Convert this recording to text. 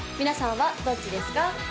皆さんはどっちですか？